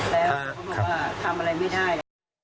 แล้วเขาก็บอกว่าทำอะไรไม่ได้